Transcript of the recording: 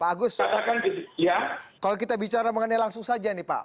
pak agus kalau kita bicara mengenai langsung saja nih pak